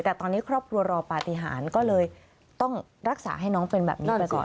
แต่ตอนนี้ครอบครัวรอปฏิหารก็เลยต้องรักษาให้น้องเป็นแบบนี้ไปก่อน